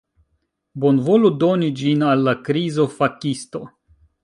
Bonvolu doni ĝin al la krizo-fakisto!